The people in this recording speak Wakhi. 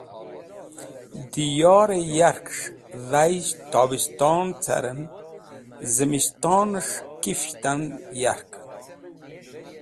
Diyorẽ yakẽs̃h dhayisht tobishton carẽn, zẽmistonẽs̃h kifchtan yarkẽn.